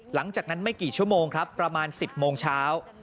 หลังจากนั้นไม่กี่ชั่วโมงครับประมาณ๑๐โมงเช้า